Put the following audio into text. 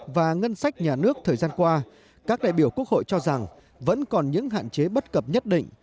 và ngân sách nhà nước thời gian qua các đại biểu quốc hội cho rằng vẫn còn những hạn chế bất cập nhất định